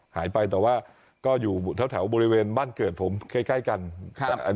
หายไปแต่ว่าก็อยู่แถวแถวบริเวณบ้านเกิดผมใกล้ใกล้กันครับ